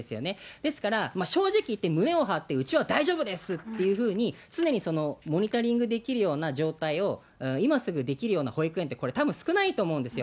ですから、正直言って、胸を張ってうちは大丈夫ですっていうふうに、常にモニタリングできるような状態を今すぐできるような保育園って、たぶん、少ないと思うんですよ。